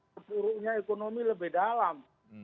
keburuknya ekonomi lebih dalam